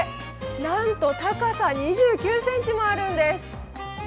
なんと高さ２９ｃｍもあるんです。